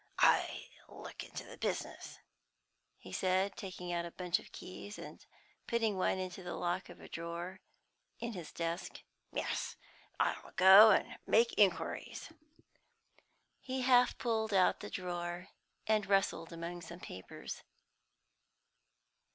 "I'll look into the business," he said, taking out a bunch of keys, and putting one into the lock of a drawer in his desk. "Yes, I'll go and make inquiries." He half pulled out the drawer and rustled among some papers.